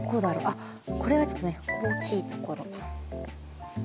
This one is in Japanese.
あっこれはちょっとね大きいところ。